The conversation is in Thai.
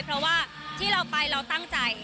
เพราะว่าที่เราไปเราตั้งใจ